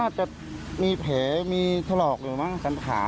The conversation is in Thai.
ก็น่าจะมีเพลมีถลอกอยู่มั้งสันขา